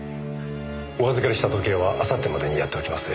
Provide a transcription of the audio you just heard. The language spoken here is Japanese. お預かりした時計は明後日までにやっておきます。